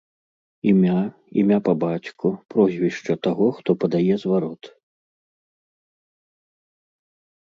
Імя, імя па бацьку, прозвішча таго, хто падае зварот.